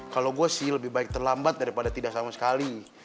kalau gue sih lebih baik terlambat daripada tidak sama sekali